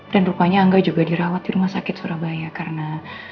dan rupanya angga juga dirawat di rumah sakit surabaya karena